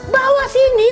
bawa sini tangganya